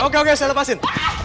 oke oke saya lepasin